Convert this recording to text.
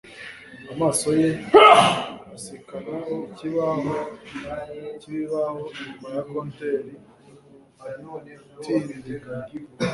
amaso ye asikana ikibaho cyibibaho inyuma ya compteur atindiganya